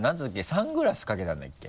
サングラスかけたんだっけ？